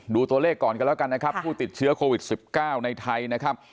ดูตัวเลขก่อนกันแล้วกันนะครับผู้ติดเชื้อโควิด๑๙ในไทยนะครับ